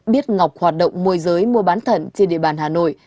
biết ngọc hoạt động môi giới mua bán thận trên địa bàn hà nội